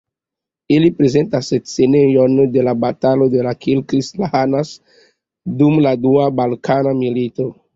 Ili prezentas scenojn de la Batalo de Kilkis-Lahanas dum la Dua Balkana Milito.